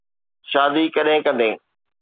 شادي ڪڏھن ڪندين؟